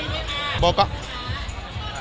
เอาเป็นเพื่อน